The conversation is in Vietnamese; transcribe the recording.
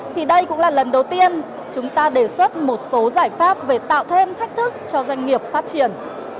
thì đây cũng là lần đầu tiên chúng ta đề xuất một số giải pháp về tạo thêm thách thức cho doanh nghiệp phát triển